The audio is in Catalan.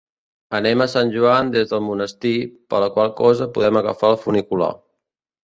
Anem a Sant Joan des del Monestir, per la qual cosa podem agafar el funicular.